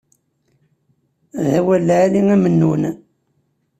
D awal lɛali a Mennun.